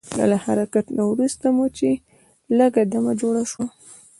له حرکت نه وروسته مو چې لږ دمه جوړه شوه.